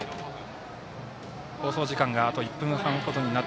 放送時間あと１分半ほどです。